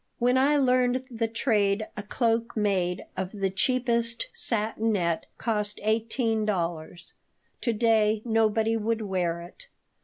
When I learned the trade a cloak made of the cheapest satinette cost eighteen dollars. To day nobody would wear it.